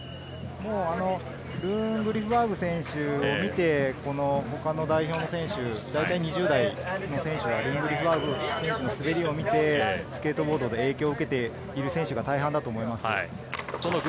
ルーン・グリフバーグ選手を見て他の代表の選手、大体、２０代の選手がグリフバーグの滑りを見て、影響を受けている選手が大半だと思います。